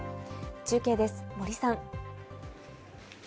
中継です、森さん。